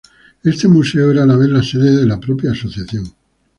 Este museo era a la vez la sede de la propia asociación.